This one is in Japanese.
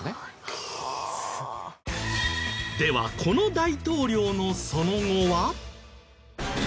この大統領のその後は？